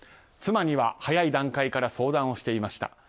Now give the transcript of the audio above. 妻には早い段階から相談をしていました。